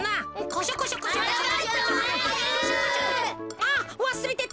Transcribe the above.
あっわすれてた。